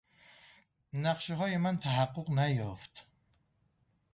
نقشههای من تحقق نیافت.